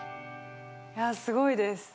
いやすごいです。